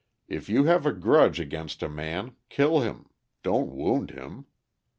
If you have a grudge against a man, kill him; don't wound him.